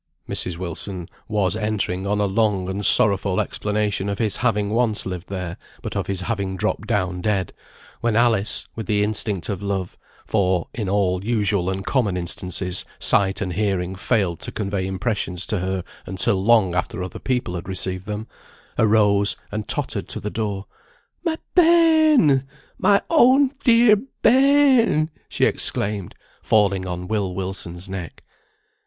Mrs. Wilson was entering on a long and sorrowful explanation of his having once lived there, but of his having dropped down dead; when Alice, with the instinct of love (for in all usual and common instances, sight and hearing failed to convey impressions to her until long after other people had received them), arose, and tottered to the door. "My bairn! my own dear bairn!" she exclaimed, falling on Will Wilson's neck.